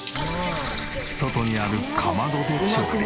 外にあるかまどで調理。